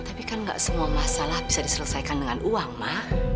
tapi kan gak semua masalah bisa diselesaikan dengan uang mak